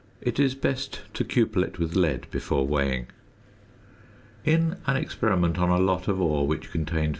It is best to cupel it with lead before weighing. In an experiment on a lot of ore which contained 0.